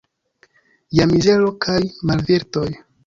Ja mizero kaj malvirtoj.